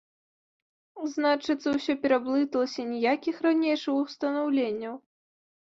Значыцца, усё пераблыталася, ніякіх ранейшых устанаўленняў.